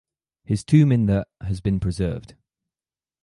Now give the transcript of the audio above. His tomb in the has been preserved.